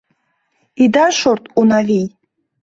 — Ида шорт, Унавий!